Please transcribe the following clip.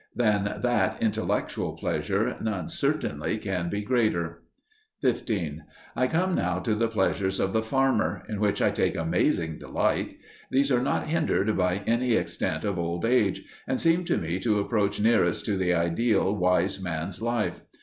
Than that intellectual pleasure none certainly can be greater. 15. I come now to the pleasures of the farmer, in which I take amazing delight. These are not hindered by any extent of old age, and seem to me to approach nearest to the ideal wise man's life.